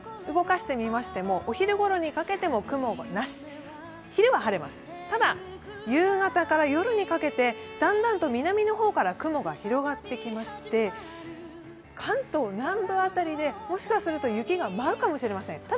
動かしてみましても、お昼ごろにかけても雲はなし、昼は晴れます、ただ夕方から夜にかけてだんだんと南の方から雲が広がってきまして、関東南部辺りでもしかすると雪が舞うかもしれません。